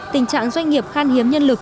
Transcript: tình trạng doanh nghiệp khan hiếm nhân lực